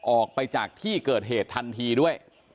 ออกไปจากที่เกิดเหตุทันทีด้วย